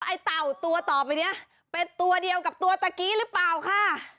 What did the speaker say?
ไอ้เต่าตัวต่อไปเนี้ยเป็นตัวเดียวกับตัวตะกี้หรือเปล่าค่ะ